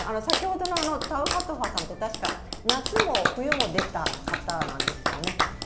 先ほどのタウファトファさんは、たしか夏も冬も出た方なんですよね。